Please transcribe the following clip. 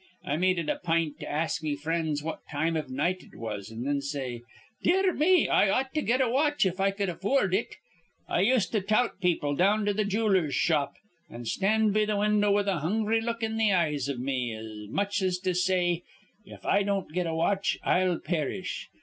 I made it a pint to ask me frinds what time iv night it was, an' thin say, 'Dear me, I ought to get a watch if I cud affoord it.' I used to tout people down to th' jooler's shop, an' stand be th' window with a hungry look in th' eyes iv me, as much as to say, 'If I don't get a watch, I'll perish.'